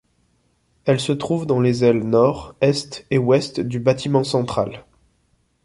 Elles se trouvent dans les ailes nord, est et ouest du bâtiment central.